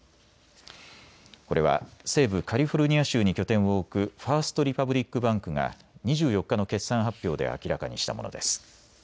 これは西部カリフォルニア州に拠点を置くファースト・リパブリック・バンクが２４日の決算発表で明らかにしたものです。